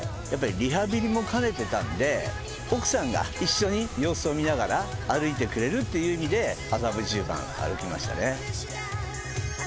やっぱりリハビリも兼ねてたんで奥さんが一緒に様子を見ながら歩いてくれるっていう意味で麻布十番歩きましたね。